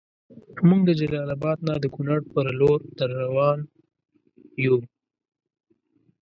مونږ د جلال اباد نه د کونړ پر لور دروان یو